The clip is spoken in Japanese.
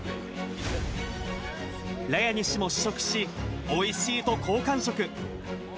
ラヤニ氏も試食し、おいしいと好感触。